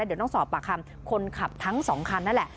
เดี๋ยวต้องสอบปากคำคนขับทั้งสองคันนั่นแหละ